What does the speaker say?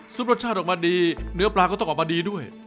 รสชาติออกมาดีเนื้อปลาก็ต้องออกมาดีด้วย